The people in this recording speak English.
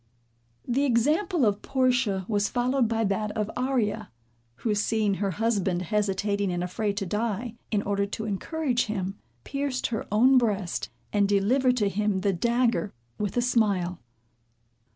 The example of Portia was followed by that of Arria, who seeing her husband hesitating and afraid to die, in order to encourage him, pierced her own breast, and delivered to him the dagger with a smile.